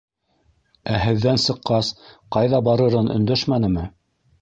Ә һеҙҙән сыҡҡас ҡайҙа барырын өндәшмәнеме?